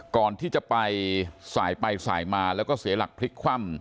ก่อนที่จะไปสายไปสายมาแล้วก็เสียหลักพลิกคว่ำ